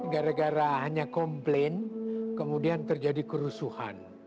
gara gara hanya komplain kemudian terjadi kerusuhan